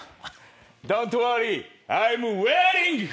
ドントウォーリーアイムウェアリング。